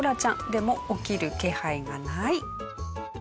でも起きる気配がない。